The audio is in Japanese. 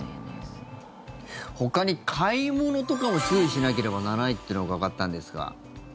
ほかに、買い物とかも注意しなければならないと伺ったんですが。